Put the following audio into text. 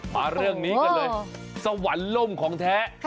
มาเรื่องนี้กันเลยสวรรค์ล่มของแท้